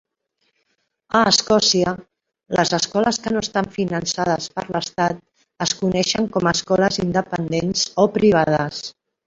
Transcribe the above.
A Escòcia, les escoles que no estan finançades per l'Estat es coneixen com a escoles independents o privades.